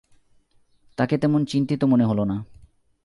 তাঁকে তেমন চিন্তিত মনে হল না।